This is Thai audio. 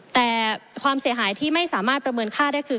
แต่ความเสียหายที่ไม่สามารถประเมินค่าได้คือ